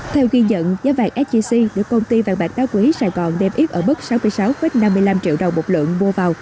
theo ghi nhận giá vàng sjc được công ty vàng bạc đá quý sài gòn đem ít ở bức sáu sáu năm mươi năm triệu đồng một lượng mua vào